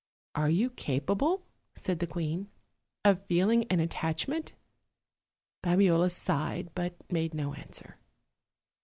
"Are you capable," said the queen, "of feeling an attachment?" Babiola sighed, but made no answer.